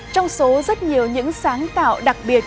trong số rất nhiều những sáng tạo đặc biệt